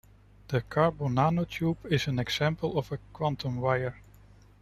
The carbon nanotube is an example of a quantum wire.